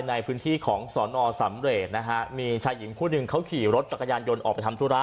ในพื้นที่ของสอนอสำเรทนะฮะมีชายหญิงคู่หนึ่งเขาขี่รถจักรยานยนต์ออกไปทำธุระ